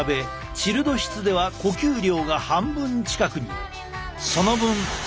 チルド室では呼吸量が半分近くに。